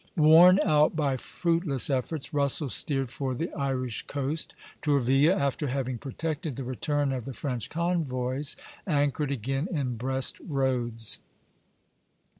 Worn out by fruitless efforts, Russell steered for the Irish coast. Tourville, after having protected the return of the French convoys, anchored again in Brest Roads."